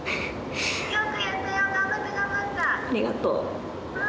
ありがとう。